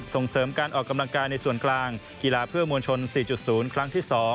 ส่งเสริมการออกกำลังกายในส่วนกลางกีฬาเพื่อมวลชน๔๐ครั้งที่๒